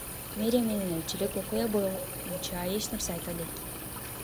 Мэрия менен элчилик окуя боюнча эч нерсе айта элек.